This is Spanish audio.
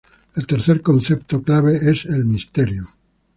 El tercer concepto clave es el misterio.